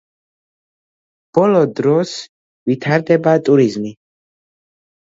ბოლო დროს ვითარდება ტურიზმი.